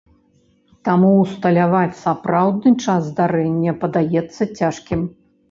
Таму ўсталяваць сапраўдны час здарэння падаецца цяжкім.